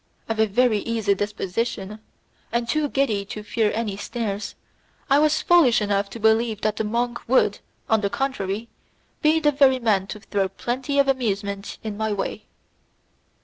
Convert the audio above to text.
Of a very easy disposition, and too giddy to fear any snares, I was foolish enough to believe that the monk would, on the contrary, be the very man to throw plenty of amusement in my way.